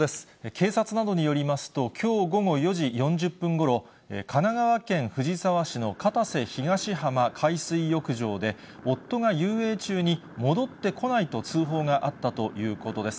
警察などによりますと、きょう午後４時４０分ごろ、神奈川県藤沢市の片瀬東浜海水浴場で、夫が遊泳中に戻ってこないと通報があったということです。